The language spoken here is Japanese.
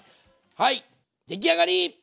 はい出来上がり！